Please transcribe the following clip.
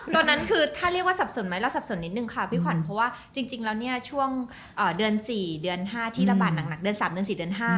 ตอนนั้นคือถ้าเรียกว่าสับสนไหมเราสับสนนิดนึงค่ะพี่ขวัญเพราะว่าจริงแล้วเนี่ยช่วงเดือน๔เดือน๕ที่ระบาดหนักเดือน๓เดือน๔เดือน๕